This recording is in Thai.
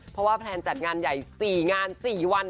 เพราะว่าแพลนจัดงานใหญ่๔งาน๔วัน